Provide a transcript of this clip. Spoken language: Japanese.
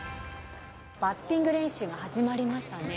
バッティング練習が始まりましたね。